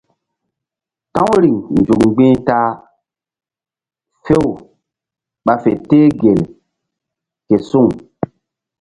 Ta̧w riŋ nzuk mgbi̧h ta a few ɓa fe teh gel ke suŋ.